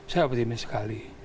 saya optimis sekali